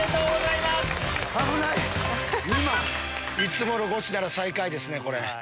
いつものゴチなら最下位ですね。